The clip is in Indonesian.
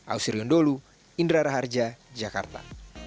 ausri gondolu indra raharja jakarta